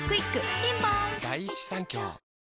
ピンポーン